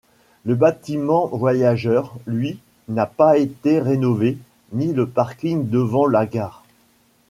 Le bâtiment voyageur, lui, n'a pas été rénové, ni le parking devant la gare.